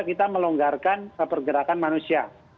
kita melonggarkan pergerakan manusia